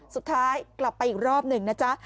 สุดท้ายกลับไปอีกรอบหนึ่งนะจ๊ะ